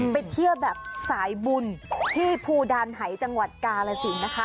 ไปเที่ยวแบบสายบุญที่ภูดานหายจังหวัดกาลสินนะคะ